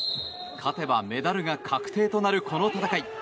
勝てばメダルが確定となるこの戦い。